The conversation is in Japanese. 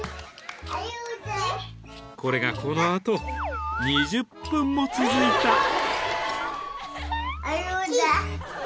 ［これがこのあと２０分も続いた］